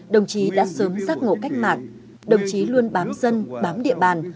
đồng chí đã sớm giác ngộ cách mạng đồng chí luôn bám dân bám địa bàn